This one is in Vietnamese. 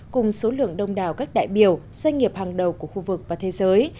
cùng số lượng đông đảo các đại biểu doanh nghiệp hàng đầu của khu vực và thế giới